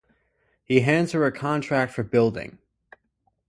He hands her a contract for building.